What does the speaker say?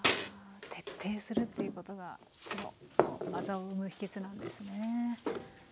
徹底するっていうことがこの技を生む秘けつなんですね。